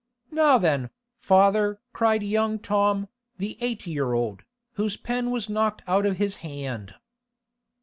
'Now then, father!' cried young Tom, the eight year old, whose pen was knocked out of his hand.